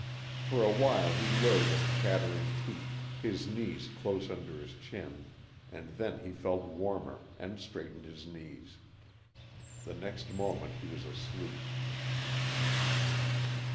For awhile he lay with chattering teeth, his knees close under his chin, and then he felt warmer, and straightened his knees. The next moment he was asleep.